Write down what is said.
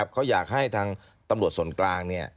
เขาอยากให้ทางตำรวจส่วนกลาง